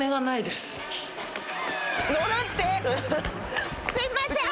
すみません！